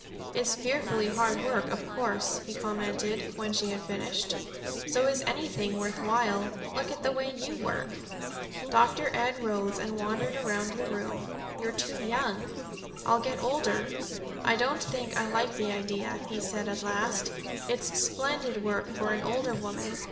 "It's fearfully hard work, of course," he commented, when she had finished. "So is anything worth while. Look at the way you work!" Dr. Ed rose and wandered around the room. "You're too young." "I'll get older." "I don't think I like the idea," he said at last. "It's splendid work for an older woman.